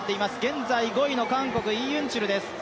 現在５位の韓国、イ・ユンチュルです